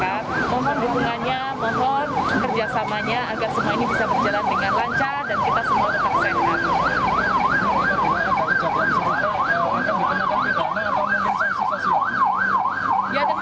kalau itu bisa masuk ranah dalam kuhp